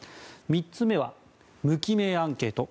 ３つ目は、無記名アンケート。